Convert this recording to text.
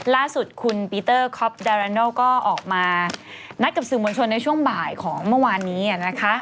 ล่าสุดคุณปีเตอร์คอปดาราโนก็ออกมานัดกับสื่อมวลชนในช่วงบ่ายของเมื่อวานนี้นะคะ